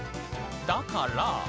だから。